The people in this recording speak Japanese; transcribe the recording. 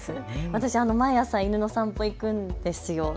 私、毎朝、犬の散歩に行くんですよ。